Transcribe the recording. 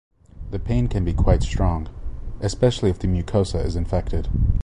The pain can be quite strong, especially if the mucosa is infected.